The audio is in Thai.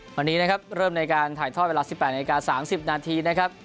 วันนี้เริ่มในการถ่ายท่อเวลา๑๘นาฬิกา๓๐นาทีนะครับ